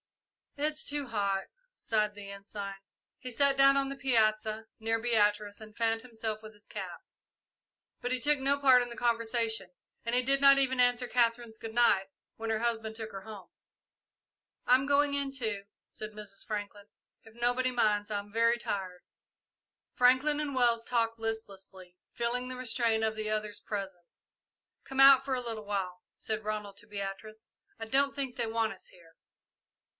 "It's too hot," sighed the Ensign. He sat down on the piazza, near Beatrice, and fanned himself with his cap; but he took no part in the conversation, and did not even answer Katherine's "good night" when her husband took her home. "I'm going in, too," said Mrs. Franklin, "if nobody minds. I'm very tired." Franklin and Wells talked listlessly, feeling the restraint of the others' presence. "Come out for a little while," said Ronald to Beatrice. "I don't think they want us here."